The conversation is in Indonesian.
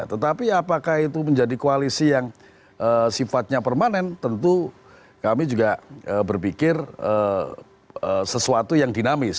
tetapi apakah itu menjadi koalisi yang sifatnya permanen tentu kami juga berpikir sesuatu yang dinamis